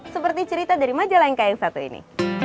seperti cerita dari majalah yang kayak satu ini